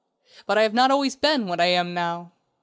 But I have not always been what I am now.